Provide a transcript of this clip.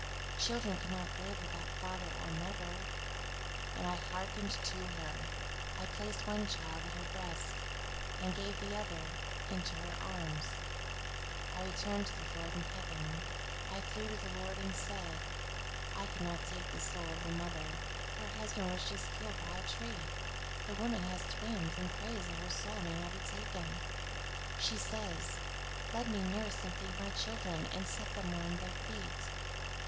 Children cannot live without father or mother.' And I hearkened to her. I placed one child at her breast and gave the other into her arms, and returned to the Lord in heaven. I flew to the Lord, and said: 'I could not take the soul of the mother. Her husband was killed by a tree; the woman has twins, and prays that her soul may not be taken. She says: "Let me nurse and feed my children, and set them on their feet.